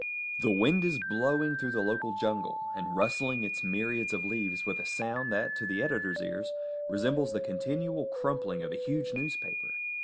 The wind is blowing through the local jungle, and rustling its myriads of leaves with a sound that to the editor's ears resembles the continual crumpling of a huge newspaper.